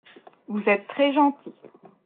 Vous êtes très gentil.